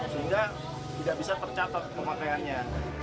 sehingga tidak bisa tercatat pemakaiannya